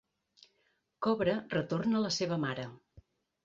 Cobra retorna la seva mare.